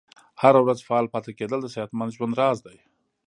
هره ورځ فعال پاتې کیدل د صحتمند ژوند راز دی.